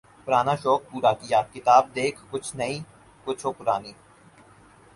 پرانا شوق پورا کیا ، کتاب دیکھ ، کچھ نئی ، کچھ و پرانی